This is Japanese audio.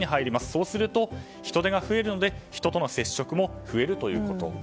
そうすると、人出が増えるので人との接触も増えるということ。